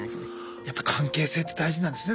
やっぱ関係性って大事なんですね